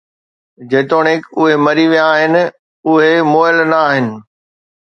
جيتوڻيڪ اهي مري ويا آهن، اهي مئل نه آهن